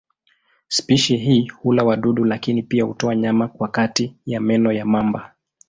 Spishi hii hula wadudu lakini pia hutoa nyama kwa kati ya meno ya mamba.